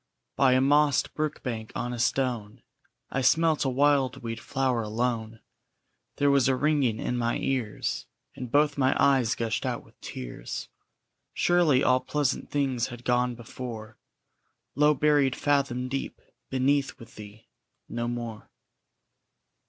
_ By a mossed brookbank on a stone I smelt a wildweed flower alone; There was a ringing in my ears, And both my eyes gushed out with tears. Surely all pleasant things had gone before, Low buried fathom deep beneath with thee, NO MORE!